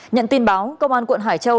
nhận tin báo công an quận hải châu